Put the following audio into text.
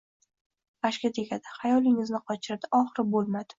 G’ashga tegadi. Xayolingni qochiradi… oxiri bo’lmadi